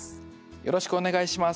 よろしくお願いします。